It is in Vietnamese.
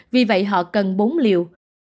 vì vậy họ cần bốn liều